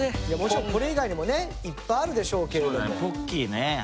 いやもちろんこれ以外にもねいっぱいあるでしょうけれども。ポッキーね。